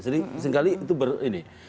seringkali itu berkata gini